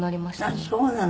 あっそうなの。